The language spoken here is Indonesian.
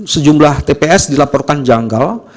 sejumlah tps dilaporkan janggal